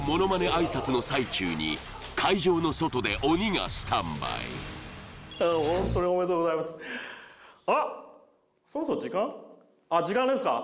挨拶の最中に会場の外で鬼がスタンバイホントにおめでとうございますあっ時間ですか？